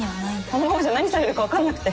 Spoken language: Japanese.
このままじゃ何されるか分かんなくて。